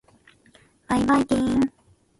ばいばいきーーーん。